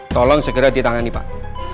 tolong segera ditangani pak